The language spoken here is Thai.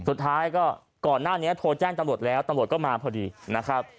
สุดท้ายก็ก่อนหน้านี้โทรแจ้งตำรวจแล้วตำรวจก็มาพอดีนะครับ